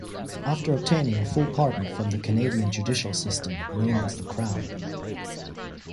After obtaining a full pardon from the Canadian judicial system known as the crown.